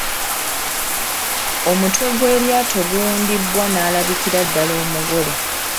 Omutwe gw’eryato guwundibwa n'alabikira ddala omugole.